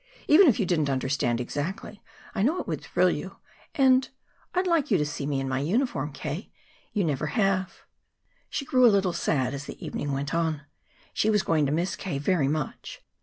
Even if you didn't understand exactly, I know it would thrill you. And I'd like you to see me in my uniform, K. You never have." She grew a little sad as the evening went on. She was going to miss K. very much.